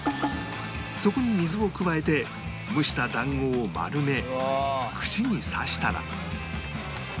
そこに水を加えて蒸した団子を丸め串に刺したら